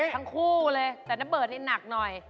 ทั้งคู่เลยแต่น้าเบิร์ดนี่หนักหน่อย